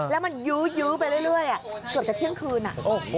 แล้วมันยื้อไปเรื่อยเกือบจะเที่ยงคืน